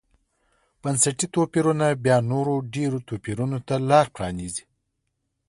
بنسټي توپیرونه بیا نورو ډېرو توپیرونو ته لار پرانېزي.